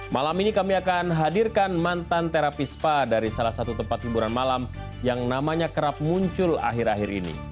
malam ini kami akan hadirkan mantan terapi spa dari salah satu tempat hiburan malam yang namanya kerap muncul akhir akhir ini